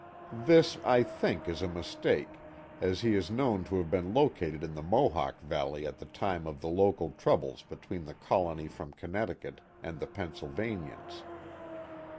This, I think, is a mistake, as he is known to have been located in the Mohawk Valley at the time of the local troubles between the colony from Connecticut and the Pennsvlvanians.